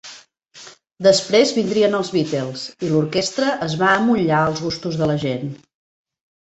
Després vindrien els Beatles, i l'orquestra es va emmotllar als gustos de la gent.